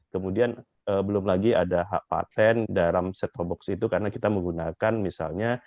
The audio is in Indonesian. kemudian belum lagi ada hak patent dalam set top box itu karena kita menggunakan misalnya